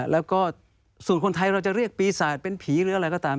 แล้วก็ส่วนคนไทยเราจะเรียกปีศาจเป็นผีหรืออะไรก็ตาม